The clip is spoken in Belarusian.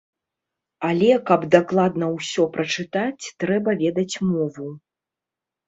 Але, каб дакладна ўсё прачытаць, трэба ведаць мову.